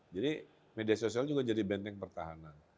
jadi media sosial juga jadi benteng pertahanan